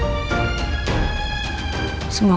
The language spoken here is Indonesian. karma itu ada